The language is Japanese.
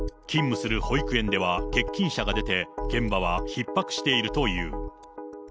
勤務する保育園では欠勤者が出て、現場はひっ迫しているという。